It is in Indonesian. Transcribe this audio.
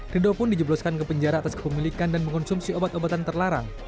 rido pun dijebloskan ke penjara atas kepemilikan dan mengonsumsi obat obatan terlarang